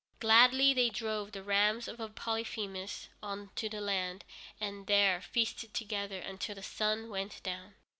Gladly they drove the rams of Polyphemus on to the land, and there feasted together until the sun went down.